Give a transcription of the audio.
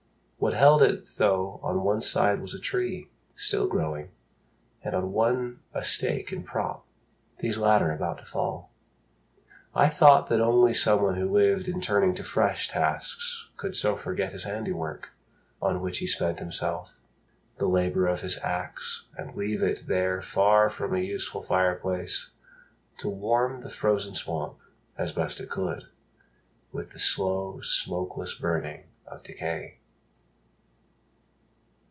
What held it though on one side was a tree Still growing, and on one a stake and prop, These latter about to fall. I thought that only Someone who lived in turning to fresh tasks Could so forget his handiwork on which He spent himself, the labour of his axe, And leave it there far from a useful fireplace To warm the frozen swamp as best it could With the slow smokeless burning of decay.